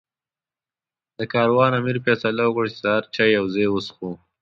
د کاروان امیر فیصله وکړه چې سهار چای یو ځای وڅښو.